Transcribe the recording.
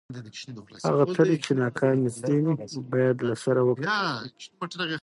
هغه طرحې چې ناکامې سوې باید له سره وکتل سي.